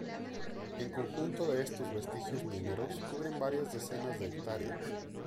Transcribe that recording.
El conjunto de estos vestigios mineros cubren varias decenas de hectáreas.